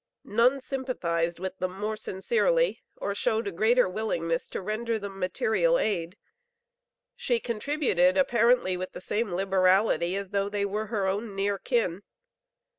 None sympathized with them more sincerely or showed a greater willingness to render them material aid. She contributed apparently with the same liberality as though they were her own near kin.